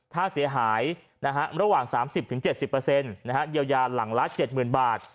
ถ้าเสียหายนะฮะระหว่างสามสิบถึงเจ็บสิบเปอร์เซ็นต์นะฮะเยียวยาหลังละเจ็บหมื่นบาท